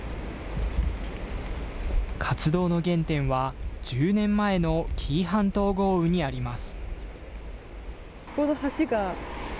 活動の原点は、１０年前の紀伊半島豪雨にあります。